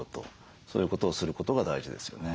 そういうことをすることが大事ですよね。